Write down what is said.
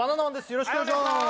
よろしくお願いします。